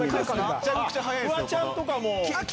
あっフワちゃんとかも。